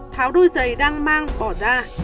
tháo đôi giày đang mang bỏ ra